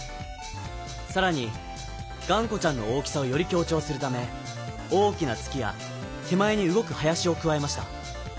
さらにがんこちゃんの大きさをより強調するため大きな月や手前に動く林をくわえました。